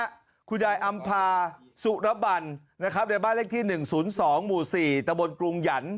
พี่กู้ภัยอำภาสุรบรรณนะครับในบ้านเลขที่๑๐๒หมู่๔ตะบลกรุงหยัน